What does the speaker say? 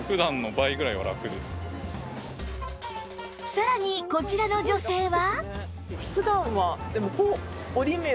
さらにこちらの女性は？